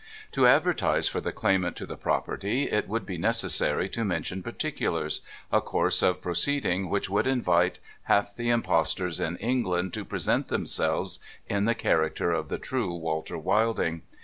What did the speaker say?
To advertise for the claimant to the property, it would be necessary to mention particulars — a course of pro ceeding which would invite half the impostors in England to present themselves in the character of the true Walter Wilding.